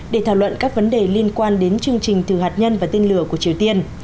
để thảo luận các vấn đề liên quan đến chương trình thử hạt nhân và tên lửa của triều tiên